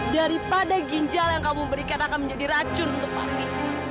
daripada ginjal yang kamu berikan akan menjadi racun untuk pami